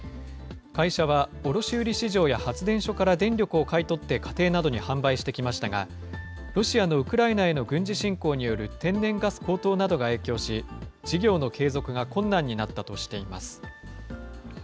会社は卸売市場や発電所から電力を買い取って家庭などに販売してきましたが、ロシアのウクライナへの軍事侵攻による天然ガス高騰などが影響し、事業の継続が困難になったとしています。